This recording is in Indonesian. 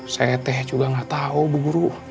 saya teh juga gak tau bu guru